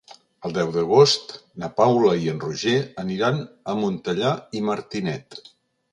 El deu d'agost na Paula i en Roger aniran a Montellà i Martinet.